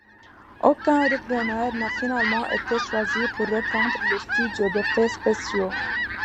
Aucun repreneur n'a finalement été choisi pour reprendre le studio d'effets spéciaux.